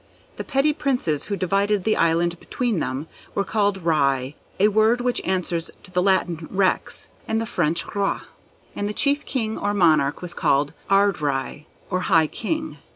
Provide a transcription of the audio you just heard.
The petty Princes who divided the Island between them were called Righ, a word which answers to the Latin Rex and French Roi; and the chief king or monarch was called Ard Righ, or High King.